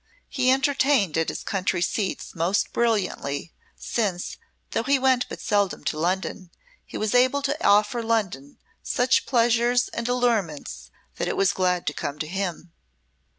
He entertained at his country seats most brilliantly, since, though he went but seldom to London, he was able to offer London such pleasures and allurements that it was glad to come to him.